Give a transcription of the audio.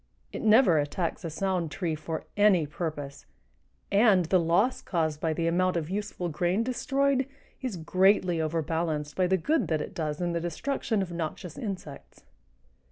It never attacks a sound tree for any purpose, and the loss caused by the amount of useful grain destroyed is greatly overbalanced by the good that it does in the destruction of noxious insects.